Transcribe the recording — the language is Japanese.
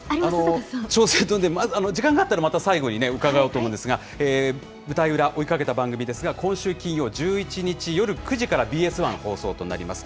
時間があったら、また最後に伺おうと思うんですが、舞台裏、追いかけた番組ですが、今週金曜１１日夜９時から、ＢＳ１、放送となります。